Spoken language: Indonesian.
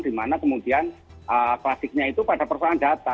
dimana kemudian klasiknya itu pada persoalan data